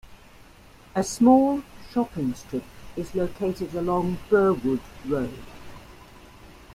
A small shopping strip is located along Burwood Road.